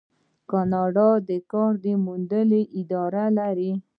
کاناډا د کار موندنې ادارې لري.